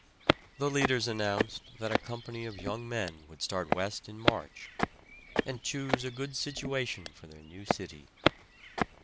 The leaders announced that a company of young men would start west in March, and choose a good situation for their new city.